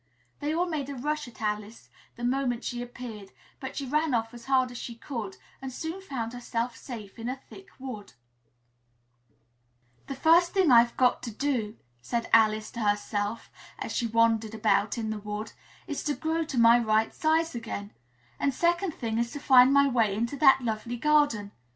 They all made a rush at Alice the moment she appeared, but she ran off as hard as she could and soon found herself safe in a thick wood. [Illustration: "The Duchess tucked her arm affectionately into Alice's."] "The first thing I've got to do," said Alice to herself, as she wandered about in the wood, "is to grow to my right size again; and the second thing is to find my way into that lovely garden.